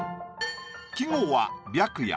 季語は「白夜」。